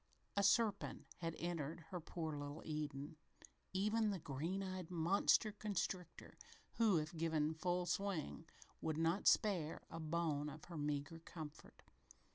A serpent had entered her poor little Eden even the green eyed monster constrictor, who, if given full swing, would not spare a bone of her meager comfort.